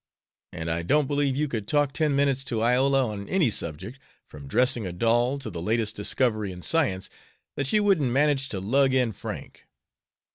And I don't believe you could talk ten minutes to Iola on any subject, from dressing a doll to the latest discovery in science, that she wouldn't manage to lug in Frank."